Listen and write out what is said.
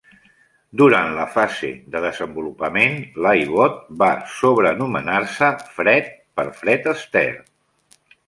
Durant la fase de desenvolupament, l'iBot va sobrenomenar-se Fred, per Fred Astaire.